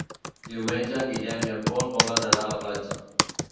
Diumenge en Guillem i en Pol volen anar a la platja.